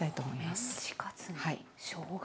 おメンチカツにしょうが。